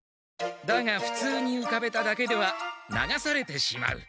だがふつうにうかべただけでは流されてしまう。